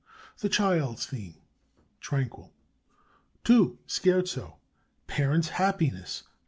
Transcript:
The child's theme: Tranquil. "II. SCHERZO: Parents' happiness.